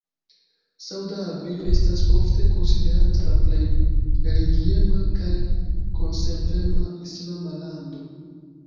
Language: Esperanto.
Sauda Arabio estas ofte konsiderata la plej religiema kaj konservema islama lando.